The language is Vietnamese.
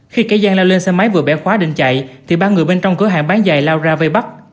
khi cái gian lao lên xe máy vừa bẻ khóa định chạy thì ba người bên trong cửa hàng bán giày lao ra vây bắt